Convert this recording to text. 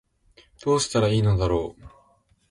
どうしたら良いのだろう